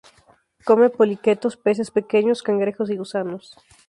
Come poliquetos, peces pequeños, cangrejos y gusanos.